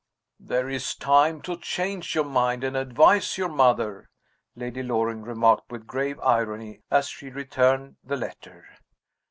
"There is time to change your mind and advise your mother," Lady Loring remarked with grave irony as she returned the letter.